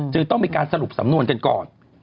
จึงต้องมีการสรุปสำนวนกันก่อน